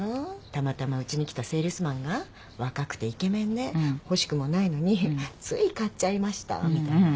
たまたまうちに来たセールスマンが若くてイケメンで欲しくもないのについ買っちゃいましたみたいな。